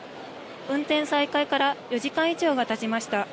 運転再開から４時間以上がたちました。